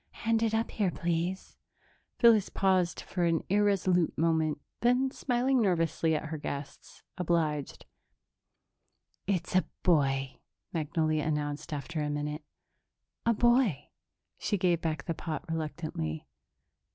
Hand it up here, please." Phyllis paused for an irresolute moment, then, smiling nervously at her guests, obliged. "It's a boy," Magnolia announced, after a minute. "A boy." She gave back the pot reluctantly.